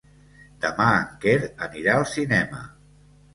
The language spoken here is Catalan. Demà en Quer anirà al cinema.